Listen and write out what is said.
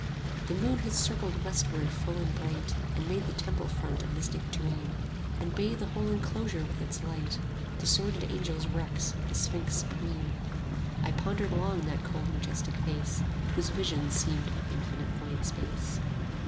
The moon had circled westward full and bright, And made the temple front a mystic dream, And bathed the whole enclosure with its light, 45 The sworded angel's wrecks, the sphinx supreme: I pondered long that cold majestic face Whose vision seemed of infinite void space.